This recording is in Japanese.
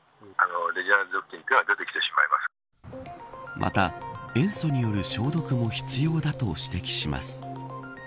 また、塩素による消毒も必要だと指摘します。